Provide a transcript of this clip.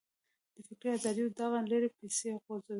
د فکري ازادیو دغه لړۍ پسې غځوو.